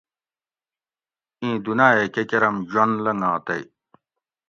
اِیں دُناۤیہ کہ کۤرم جون لنگا تئی